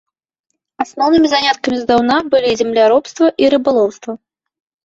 Асноўнымі заняткамі здаўна былі земляробства і рыбалоўства.